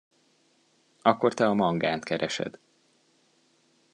Akkor te a mangánt keresed.